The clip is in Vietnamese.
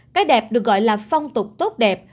cái đẹp được gọi là phong tục tốt đẹp